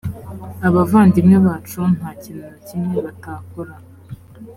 abavandimwe bacu nta kintu na kimwe batakora